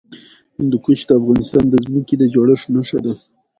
هندوکش د افغانستان د ځمکې د جوړښت نښه ده.